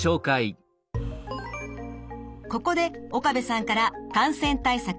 ここで岡部さんから感染対策